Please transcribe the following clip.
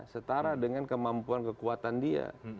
setara dengan kemampuan kekuatan dia